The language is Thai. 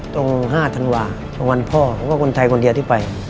ตรง๕ธันวาตรงวันพ่อก็คนไทยคนเดียวไป